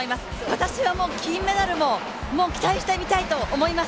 私は金メダルも期待して見たいと思います。